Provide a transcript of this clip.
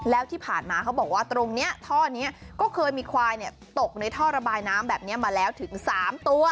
แล้วที่ผ่านมาเขาบอกว่าตรงนี้ท่อนี้ก็เคยมีควายตกในท่อระบายน้ำแบบนี้มาแล้วถึง๓ตัว